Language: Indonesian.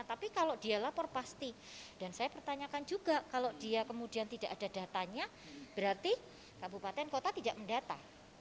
tapi kalau dia lapor pasti dan saya pertanyakan juga kalau dia kemudian tidak ada datanya berarti kabupaten kota tidak mendata